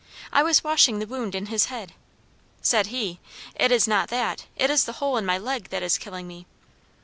I was washing the wound in his head. Said he, 'It is not that; it is the hole in my leg that is killing me.'